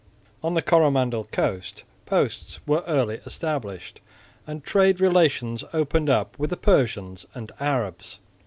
On the Coromandel coast posts were also early established, and trade relations opened up with the Persians and Arabs.